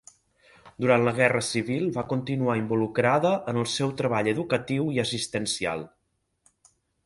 Durant la Guerra Civil va continuar involucrada en el seu treball educatiu i assistencial.